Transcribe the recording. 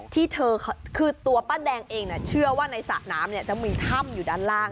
ที่เธอคือตัวป้าแดงเองเชื่อว่าในสระน้ำจะมีถ้ำอยู่ด้านล่าง